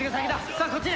さあこっちに！